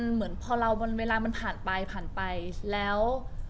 เหมือนพอเราเวลามันผ่านไปผ่านไปแล้ว